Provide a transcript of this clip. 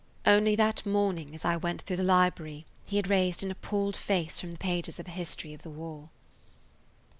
Only that morning as I went through the library he had raised an appalled face from the pages of a history of the war.